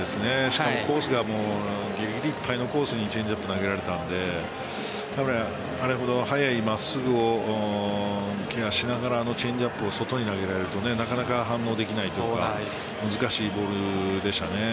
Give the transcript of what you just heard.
しかもコースがぎりぎりいっぱいのコースにチェンジアップを投げられたのであれほど速い真っすぐをケアしながらのチェンジアップを外へ投げられるとなかなか反応できないし難しいボールでした。